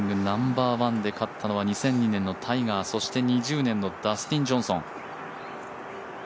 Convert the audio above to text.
ナンバーワンで勝ったのは２００２年のタイガー、そして２０年のダスティン・ジョンソン。